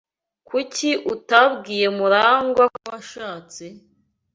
Kuki utabwiye Murangwa ko washatse?